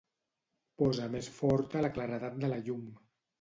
Posa més forta la claredat de la llum.